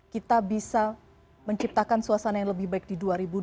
kita bisa menciptakan suasana yang lebih baik di dua ribu dua puluh